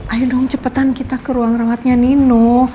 ayo dong cepetan kita ke ruang rawatnya nino